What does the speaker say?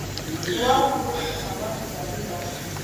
هېواد د سولي د خبر خوشالي ده.